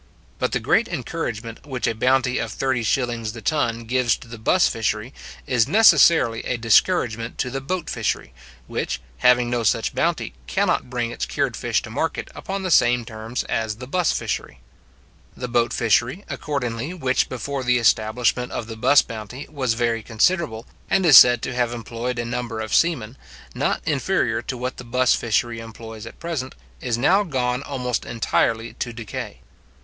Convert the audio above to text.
But the great encouragement which a bounty of 30s. the ton gives to the buss fishery, is necessarily a discouragement to the boat fishery, which, having no such bounty, cannot bring its cured fish to market upon the same terms as the buss fishery. The boat fishery; accordingly, which, before the establishment of the buss bounty, was very considerable, and is said to have employed a number of seamen, not inferior to what the buss fishery employs at present, is now gone almost entirely to decay.